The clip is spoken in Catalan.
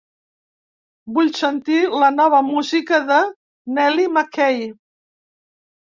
Vull sentir la nova música de Nellie Mckay.